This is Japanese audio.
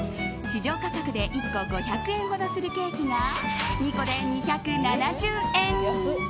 市場価格で１個５００円ほどするケーキが２個で２７０円。